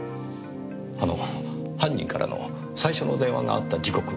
あの犯人からの最初の電話があった時刻は？